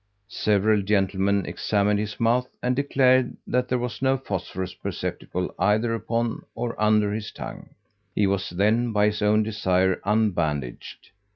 Several gentlemen examined his mouth, and declared that there was no phosphorus perceptible either upon or under his tongue. He was then by his own desire unbandaged.